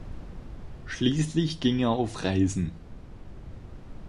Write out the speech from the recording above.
Schließlich ging er auf Reisen.